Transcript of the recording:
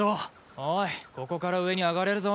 おいここから上に上がれるぞ。